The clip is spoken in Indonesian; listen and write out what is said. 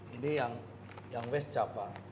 ini yang west java